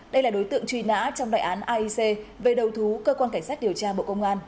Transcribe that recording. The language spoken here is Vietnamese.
đây là đối tượng truy nã trong đại án aic về đầu thú cơ quan cảnh sát điều tra bộ công an